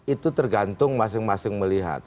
itu tergantung masing masing melihat